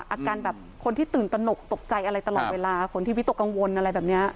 อาการแบบคนที่ตื่นตนกตกใจอะไรตลอดเวลาคนที่วิตกกังวลอะไรแบบนี้